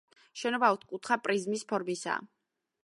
შენობა ოთხკუთხა პრიზმის ფორმისაა.